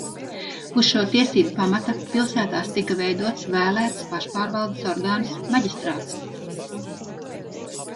Uz šo tiesību pamata pilsētās tika veidots vēlēts pašpārvaldes orgāns maģistrāts.